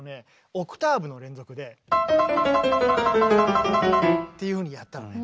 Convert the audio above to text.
オクターブの連続で。っていうふうにやったのね。